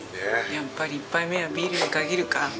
やっぱり１杯目はビールに限るか。